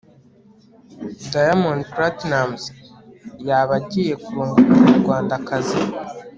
Diamonds Platinums yaba agiye kurongora umunyarwandakazi